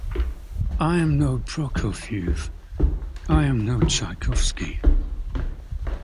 I am no Prokofiev, I am no Tchaikovsky.